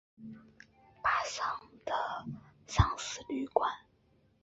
巴黎的桑斯旅馆是桑斯总主教在巴黎的官邸。